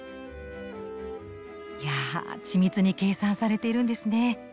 いやあ緻密に計算されているんですね。